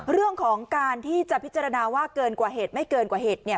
เรื่องของการที่จะพิจารณาว่าเกินกว่าเหตุไม่เกินกว่าเหตุ